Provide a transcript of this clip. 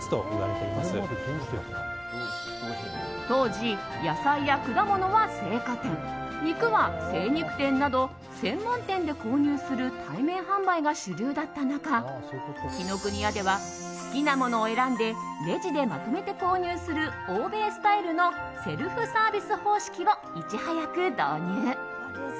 当時、野菜や果物は青果店肉は精肉店など専門店で購入する対面販売が主流だった中紀ノ国屋では好きなものを選んでレジでまとめて購入する欧米スタイルのセルフサービス方式をいち早く導入。